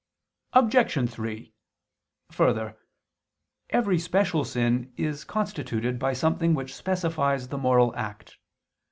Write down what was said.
Obj. 3: Further, every special sin is constituted by something which specifies the moral act.